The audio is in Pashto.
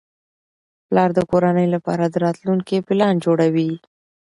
پلار د کورنۍ لپاره د راتلونکي پلان جوړوي